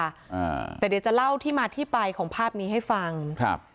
อ่าแต่เดี๋ยวจะเล่าที่มาที่ไปของภาพนี้ให้ฟังครับ